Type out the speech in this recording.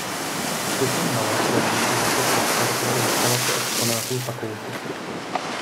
Vstupní hala slouží i jako prostor pro instalaci exponátů fakulty.